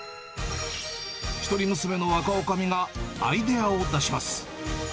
一人娘の若おかみがアイデアを出します。